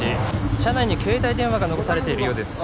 車内に携帯電話が残されているようです